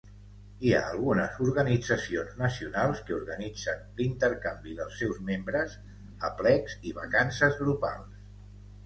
Hi ha algunes organitzacions nacionals que organitzen l'intercanvi dels seus membres, aplecs i vacances grupals.